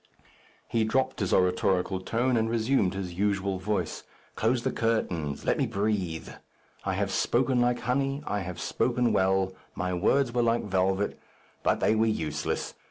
He dropt his oratorical tone, and resumed his usual voice. "Close the curtains. Let me breathe. I have spoken like honey. I have spoken well. My words were like velvet; but they were useless.